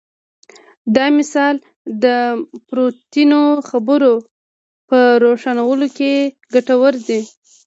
دا مثال د پورتنیو خبرو په روښانولو کې ګټور دی.